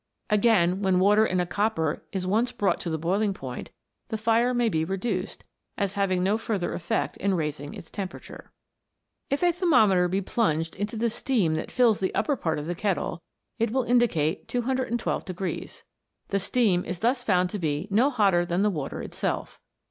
Again, when water in a copper is once brought to the boiling point, the fire may be reduced, as having no further effect in rais ing its temperature.* If a thermometer be plunged into the steam that fills the upper part of the kettle, it will indicate 212. The steam is thus found to be no hotter than the water itself.